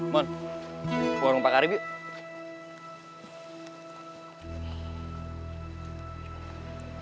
mon ke warung pakarib yuk